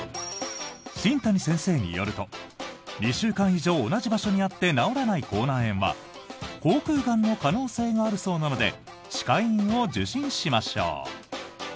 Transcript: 新谷先生によると２週間以上同じ場所にあって治らない口内炎は口腔がんの可能性があるそうなので歯科医院を受診しましょう。